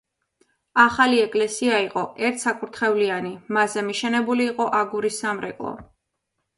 ახალი ეკლესია იყო ერთსაკურთხევლიანი, მასზე მიშენებული იყო აგურის სამრეკლო.